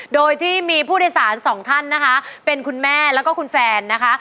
โดยที่มีผู้โดยสารสองท่านนะคะเป็นคุณแม่แล้วก็คุณแฟนนะคะ